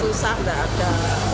susah enggak ada